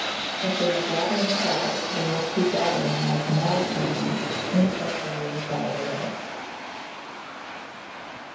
If they are brought in at all, they must be brought in, like moral sentiments, inoffensively by the way.